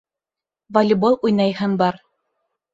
Волейбол уйнайһым бар.